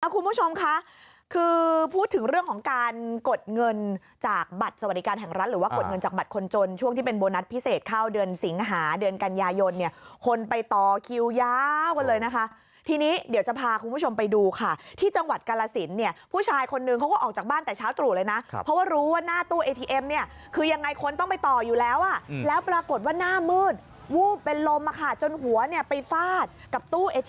คุณผู้ชมค่ะคือพูดถึงเรื่องของการกดเงินจากบัตรสวรรค์สวรรค์การแห่งรัฐหรือว่ากดเงินจากบัตรคนจนช่วงที่เป็นโบนัสพิเศษเข้าเดือนสิงหาเดือนกัญญาโยนเนี่ยคนไปต่อคิวยาวเลยนะคะทีนี้เดี๋ยวจะพาคุณผู้ชมไปดูค่ะที่จังหวัดกรรละสินเนี่ยผู้ชายคนนึงเขาก็ออกจากบ้านแต่เช้าตรุเลยนะเพราะว่ารู้